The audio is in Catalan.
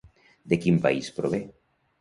De quin país prové?